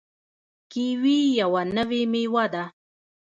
کیوي یوه نوې میوه ده.